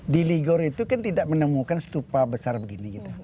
di ligor itu kan tidak menemukan stupa besar begini gitu